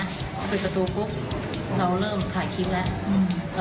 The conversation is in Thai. มันจอดอย่างง่ายอย่างง่ายอย่างง่ายอย่างง่าย